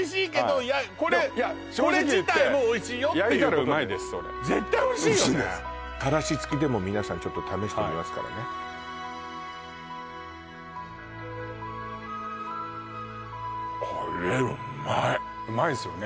絶対おいしいよねおいしいですからし付きでも皆さんちょっと試してみますからねうまいっすよね？